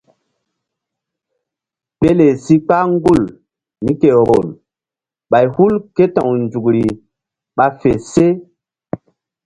Pele si kpah gul mí ke vbol bay hul ké ta̧w nzukri ɓa fe se.